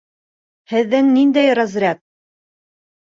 Һеҙҙең ниндәй разряд?